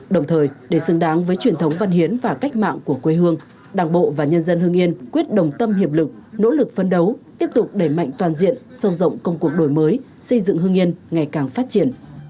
đồng thời để xứng đáng với truyền thống văn hiến và cách mạng của quê hương đảng bộ và nhân dân hương yên quyết đồng tâm hiệp lực nỗ lực phân đấu tiếp tục đẩy mạnh toàn diện sâu rộng công cuộc đổi mới xây dựng hương yên ngày càng phát triển